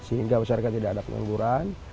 sehingga masyarakat tidak ada pengangguran